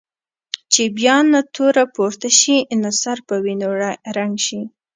چې بیا نه توره پورته شي نه سر په وینو رنګ شي.